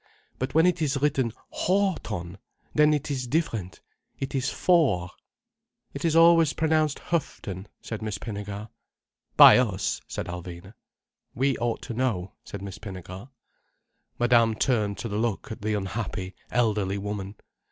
But when it is written Hough ton! then it is different, it is for." "It is always pronounced Huff ton," said Miss Pinnegar. "By us," said Alvina. "We ought to know," said Miss Pinnegar. Madame turned to look at the unhappy, elderly woman.